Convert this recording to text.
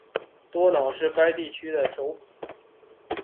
多瑙是该地区的首府。